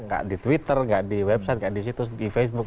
tidak di twitter tidak di website tidak di situs di facebook